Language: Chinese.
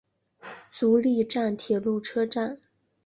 足利站铁路车站。